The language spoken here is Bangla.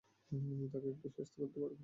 তাকে একটু শায়েস্তা করতে পারবে?